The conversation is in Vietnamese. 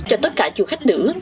cho tất cả chùa khách nữ